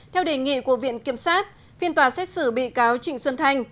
theo đề nghị của viện kiểm sát phiên tòa xét xử bị cáo trịnh xuân thanh